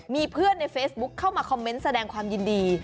มีเพื่อนในเฟซบุ๊คเข้ามาคอมเมนต์แสดงความยินดี